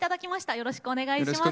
よろしくお願いします。